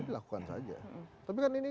dilakukan saja tapi kan ini